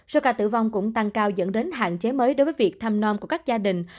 số ca tử vong cũng tăng cao dẫn đến hạn chế mới đối với việc thăm non của các gia đình